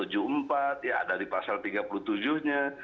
ya ada di pasal tiga puluh tujuh nya